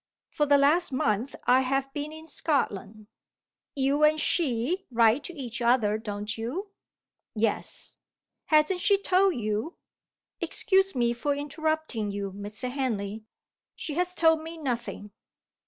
"For the last month I have been in Scotland." "You and she write to each other, don't you?" "Yes." "Hasn't she told you " "Excuse me for interrupting you, Mr. Henley; she has told me nothing."